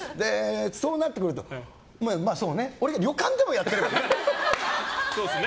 そうなってくると、俺が旅館でもやってればね。